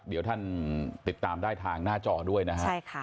เดี๋ยวท่านติดตามได้ทางหน้าจอด้วยนะฮะ